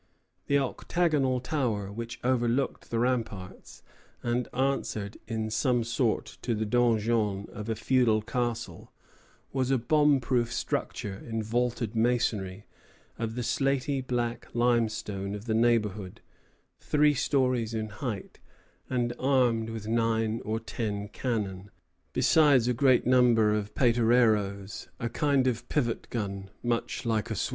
The octagonal tower which overlooked the ramparts, and answered in some sort to the donjon of a feudal castle, was a bomb proof structure in vaulted masonry, of the slaty black limestone of the neighborhood, three stories in height, and armed with nine or ten cannon, besides a great number of patereroes, a kind of pivot gun much like a swivel.